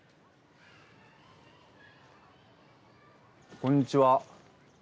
・こんにちは。